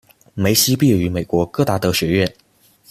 梅西毕业于美国戈达德学院。